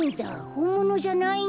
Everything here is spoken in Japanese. ほんものじゃないんだ。